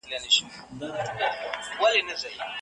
څېړونکي ورته په شعر کې ځواب ورکړ.